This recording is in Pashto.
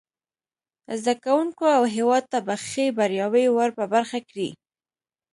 زده کوونکو او هیواد ته به ښې بریاوې ور په برخه کړي.